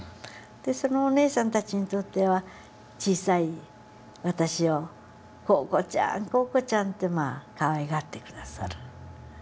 そのおねえさんたちにとっては小さい私を「紘子ちゃん紘子ちゃん」ってかわいがって下さる。